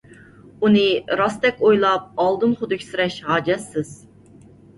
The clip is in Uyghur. ئۇنى راستتەك ئويلاپ ئالدىن خۇدۈكسېرەش ھاجەتسىز.